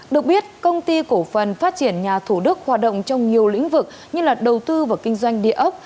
được biết công ty cổ phần phát triển nhà thủ đức hoạt động trong nhiều lĩnh vực như là đầu tư và kinh doanh địa ốc